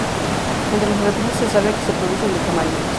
Entre los reptiles se sabe que se producen de camaleones.